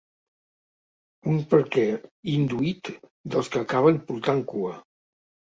Un per què induït dels que acaben portant cua.